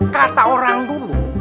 kata orang dulu